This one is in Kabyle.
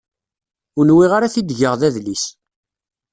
Ur nwiɣ ara ad t-id-geɣ d adlis.